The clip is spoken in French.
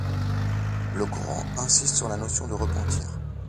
Le Coran insiste sur la notion de repentir.